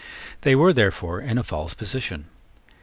They were, therefore, in a false position.